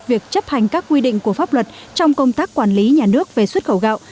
việc chấp hành các quy định của pháp luật trong công tác quản lý nhà nước về xuất khẩu gạo